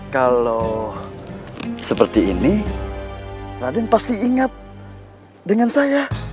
kalau seperti ini raden pasti ingat dengan saya